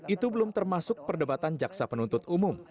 itu belum termasuk perdebatan jaksa penuntut umum